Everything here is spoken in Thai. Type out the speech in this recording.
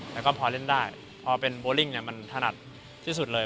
แต่ก็พอเล่นได้พอเป็นโบริ่งมันถนัดที่สุดเลย